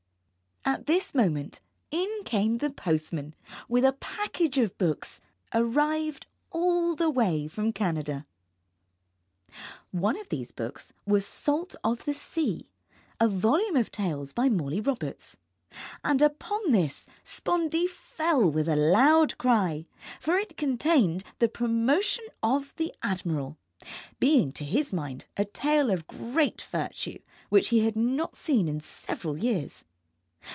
At this moment in came the postman with a package of books, arrived all the way from Canada. One of these books was "Salt of the Sea," a volume of tales by Morley Roberts, and upon this Spondee fell with a loud cry, for it contained "The Promotion of the Admiral," being to his mind a tale of great virtue which he had not seen in several years.